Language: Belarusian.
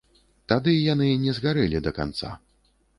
Тады яны не згарэлі да канца.